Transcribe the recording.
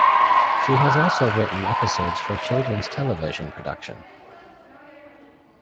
She has also written episodes for children's television production.